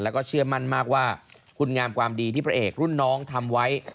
แล้วก็เชื่อมั่นมากว่าคุณงามความดีที่พระเอกรุ่นน้องทำไว้